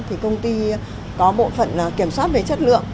thì công ty có bộ phận kiểm soát về chất lượng